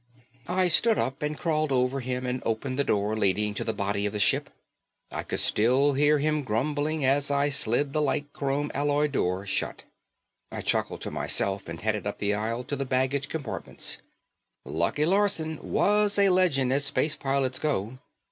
I stood up and crawled over him and opened the door leading to the body of the ship. I could still hear him grumbling as I slid the light chrome alloy door shut. I chuckled to myself and headed up the aisle to the baggage compartments. Lucky Larson was a legend as space pilots go.